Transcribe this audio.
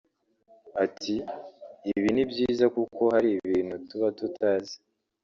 Ati“ Ibi ni byiza kuko hari ibintu tuba tutazi